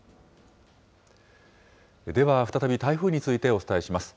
では再び台風についてお伝えします。